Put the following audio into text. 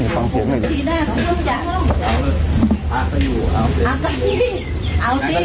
นางก็เชิญกลับครับคุณก็ไม่ใช่แขกของบ้านนี้